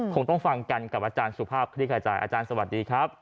คงต้องฟังกันกับอาจารย์สุภาพคลิกขจายอาจารย์สวัสดีครับ